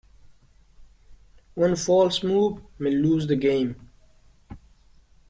One false move may lose the game.